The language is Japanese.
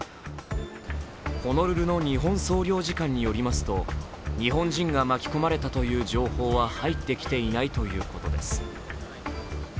ホノルルの日本総領事館によりますと日本人が巻き込まれたという情報は入ってきていないということです。